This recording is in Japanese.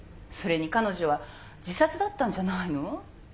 それに彼女は自殺だったんじゃないの？